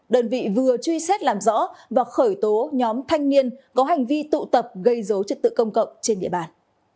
đơn vị vừa truy xét làm rõ và khởi tố nhóm thanh niên có hành vi tụ tập gây dấu trật tự công cộng trên địa bàn